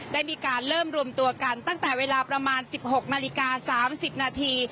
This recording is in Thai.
ได้มีการเริ่มรวมตัวกันตั้งแต่เวลาประมาณ๑๖นาฬิกา๓๐นาที